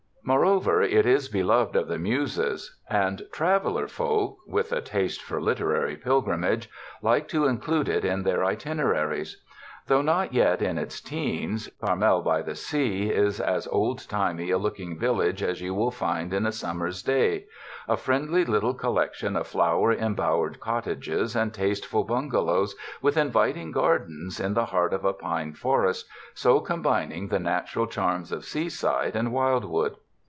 Moreover, it is be loved of the Muses, and traveler folk with a taste for literary pilgrimage, like to include it in their itineraries. Though not yet in its teens, Carmel by the Sea is as old timey a looking village as you will find in a summer's day — a friendly little col lection of flower embowered cottages and tasteful bungalows with inviting gardens, in the heart of a pine forest, so combining the natural charms of seaside and wildwood.